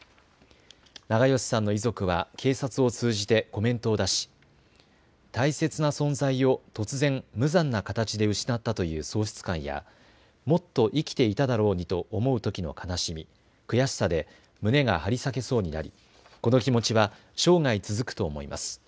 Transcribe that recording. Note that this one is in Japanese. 長葭さんの遺族は警察を通じてコメントを出し大切な存在を突然、無残な形で失ったという喪失感やもっと生きていただろうにと思うときの悲しみ、悔しさで胸が張り裂けそうになりこの気持ちは生涯続くと思います。